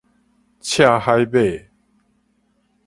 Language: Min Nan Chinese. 刺海馬